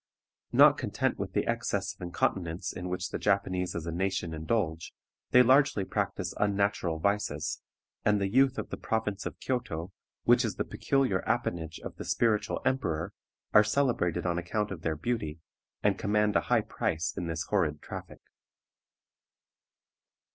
Not content with the excess of incontinence in which the Japanese as a nation indulge, they largely practice unnatural vices, and the youth of the province of Kioto, which is the peculiar appanage of the spiritual emperor, are celebrated on account of their beauty, and command a high price in this horrid traffic.